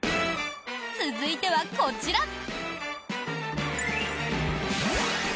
続いては、こちら。